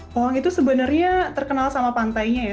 pawang itu sebenarnya terkenal sama pantainya ya